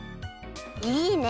いいね！